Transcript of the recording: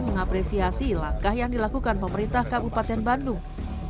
mengapresiasi langkah yang dilakukan pemerintah kabupaten bandung